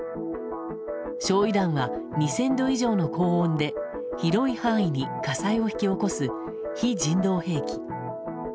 焼夷弾は２０００度以上の高温で広い範囲に火災を引き起こす非人道兵器。